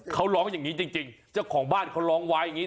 เขาร้องอย่างนี้จริงเจ้าของบ้านเขาร้องไว้อย่างนี้